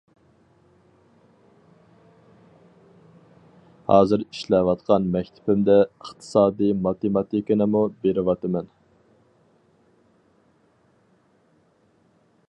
ھازىر ئىشلەۋاتقان مەكتىپىمدە ئىقتىسادىي ماتېماتىكىنىمۇ بېرىۋاتىمەن.